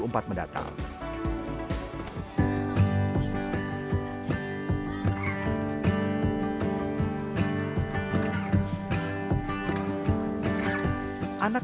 terima kasih banyak banyak terima kasih banyak